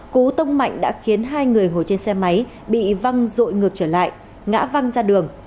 cú tông mạnh đã khiến hai người ngồi trên xe máy bị văng rội ngược trở lại ngã văng ra đường